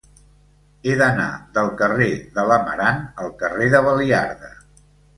He d'anar del carrer de l'Amarant al carrer de Baliarda.